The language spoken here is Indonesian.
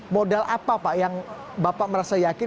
modal apa pak yang bapak merasa yakin